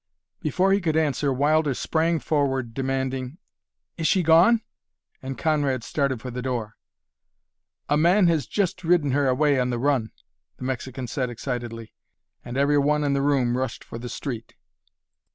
Before he could answer Wilder sprang forward demanding, "Is she gone?" and Conrad started for the door. "A man has just ridden her away on the run," the Mexican said excitedly, and every one in the room rushed for the street.